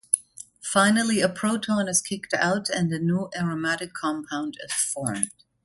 Finally a proton is kicked out and a new aromatic compound is formed.